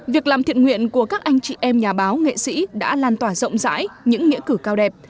việc làm thiện nguyện của các anh chị em nhà báo nghệ sĩ đã lan tỏa rộng rãi những nghĩa cử cao đẹp